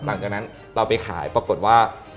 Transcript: หลังจากนั้นเราไปขายปรากฏว่า